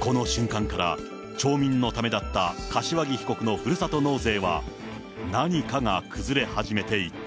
この瞬間から町民のためだった柏木被告のふるさと納税は、何かが崩れ始めていった。